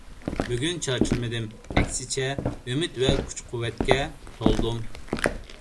بۈگۈن چارچىمىدىم. ئەكسىچە ئۈمىد ۋە كۈچ-قۇۋۋەتكە تولدۇم.